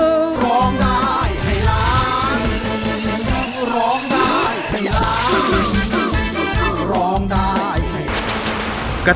ร้องได้ให้ร้างร้องได้ให้ร้างร้องได้ให้ร้าง